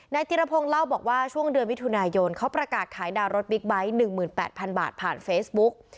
จิรพงศ์เล่าบอกว่าช่วงเดือนมิถุนายนเขาประกาศขายดาวรถบิ๊กไบท์๑๘๐๐๐บาทผ่านเฟซบุ๊ก